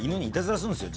するんですよ